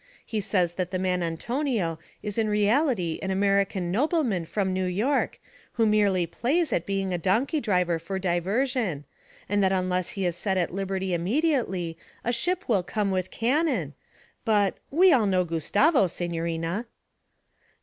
He says that the man Antonio is in reality an American nobleman from New York, who merely plays at being a donkey driver for diversion, and that unless he is set at liberty immediately a ship will come with cannon, but we all know Gustavo, signorina.'